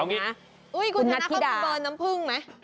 คุณนัทธิดาคุณชนะเขาเป็นเบอร์น้ำผึ้งไหม